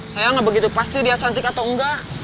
sayang gak begitu pasti dia cantik atau enggak